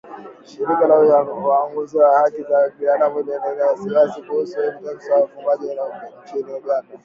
Shirika la uangalizi wa haki za binadamu linaelezea wasiwasi kuhusu kuteswa wafungwa nchini Uganda.